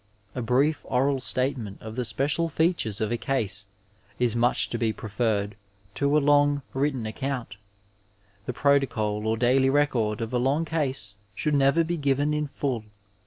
A brief oral statement of the special features of a case is much to be preferred to a Icmg, written account. The protocol or daily record of a long case should never be given in full.